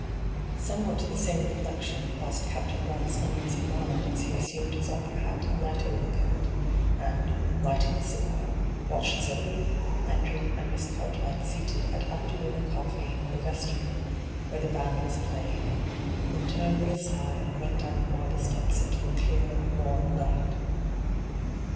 Somewhat the same reflection crossed Captain Grant's uneasy mind as he assumed his opera hat and light overcoat, and, lighting a cigar, watched Zoe, Andrew, and Miss Cartwright seated at after dinner oofiee in the hyGoo>^lc ENTRAPPED 217 vestibule where the hand was plajing, then turned with a sigh and went down the marble steps into the clear, warm night.